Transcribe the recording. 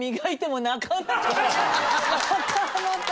なかなか。